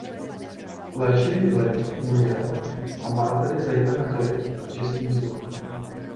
Léčivý vliv měl a má tedy zejména klid a čistý vzduch.